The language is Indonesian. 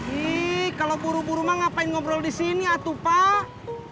ih kalau buru buru mah ngapain ngobrol di sini atu pak